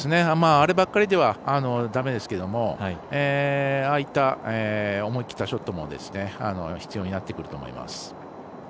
あればかりではだめですけどああいった思い切ったショットも必要になってくると思います。